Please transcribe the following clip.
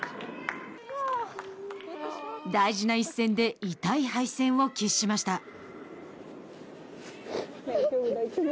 大事な一戦で痛い敗戦を喫しました。